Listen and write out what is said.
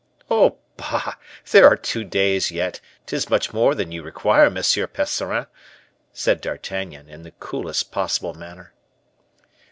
"Oh, bah! there are two days yet; 'tis much more than you require, Monsieur Percerin," said D'Artagnan, in the coolest possible manner.